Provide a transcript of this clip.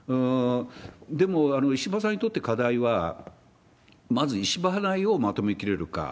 でも石破さんにとって課題は、まず石破派内をまとめきれるか。